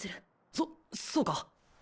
そそうか。